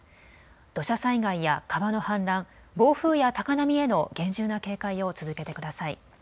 土砂災害や川の氾濫、暴風や高波への厳重な警戒を続けてください。